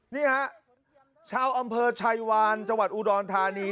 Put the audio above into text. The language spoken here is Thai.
นี่ฮะชาวอำเภอชัยวานจังหวัดอุดรธานี